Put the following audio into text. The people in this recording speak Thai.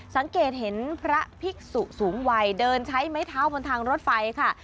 สังเกตเห็นพระภิกษุสูงวัยเดินใช้ไม้เท้าบนทางรถไฟค่ะ